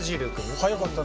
早かったね。